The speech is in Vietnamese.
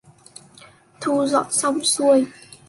Thu dọn xong xuôi